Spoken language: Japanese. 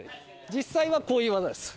実際はこういう技です。